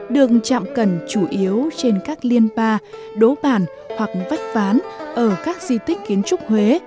đường chạm cần chủ yếu trên các liên ba đố bản hoặc vách ván ở các di tích kiến trúc huế